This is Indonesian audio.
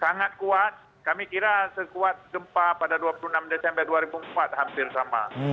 sangat kuat kami kira sekuat gempa pada dua puluh enam desember dua ribu empat hampir sama